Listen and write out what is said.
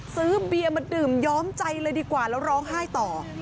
ซื้อเบียร์มาดื่มย้อมใจเลยดีกว่าแล้วร้องไห้ต่อ